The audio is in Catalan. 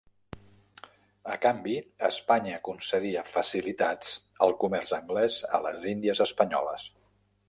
A canvi, Espanya concedia facilitats al comerç anglès a les Índies espanyoles.